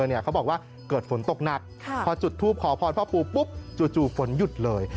เขาบอกว่าเกิดฝนตกหนักพอจุดทูปขอพรพ่อปูปุ๊บจู่ฝนหยุดเลย